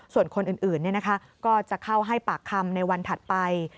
ส่วนคนอื่นก็จะเข้าให้ปากคำในวันถัดไป